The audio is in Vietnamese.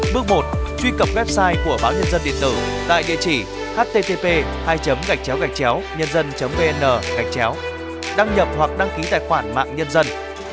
bước một truy cập website của báo nhân dân điện tử tại địa chỉ http nhân dân vn gachcheo đăng nhập hoặc đăng ký tài khoản mạng nhân dân